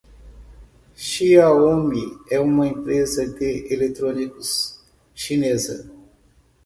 Xiaomi é uma empresa de eletrônicos chinesa.